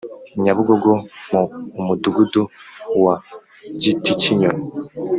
Nyabugogo mu Umudugudu wa Giticyinyoni